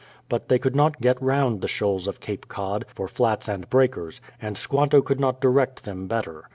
But they could not get round the shoals of Cape Cod, for flats and breakers, and Squanto could not direct them better.